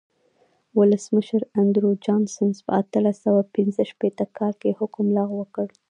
ولسمشر اندرو جانسن په اتلس سوه پنځه شپېته کال کې حکم لغوه کړ.